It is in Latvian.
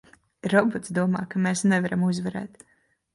Robots domā, ka mēs nevaram uzvarēt!